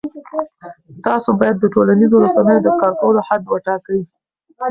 تاسو باید د ټولنیزو رسنیو د کارولو حد وټاکئ.